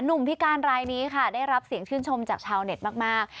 พิการรายนี้ค่ะได้รับเสียงชื่นชมจากชาวเน็ตมาก